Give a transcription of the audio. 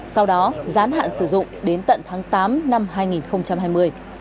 sau đó gián hạn sử dụng đến tận tháng tám năm hai nghìn hai mươi